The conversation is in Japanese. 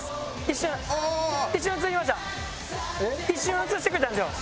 「一瞬映してくれたんですよ」